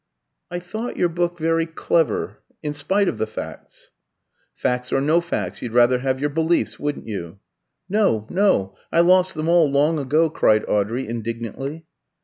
"I thought your book very clever in spite of the facts." "Facts or no facts, you'd rather have your beliefs, wouldn't you?" "No, no; I lost them all long ago!" cried Audrey, indignantly.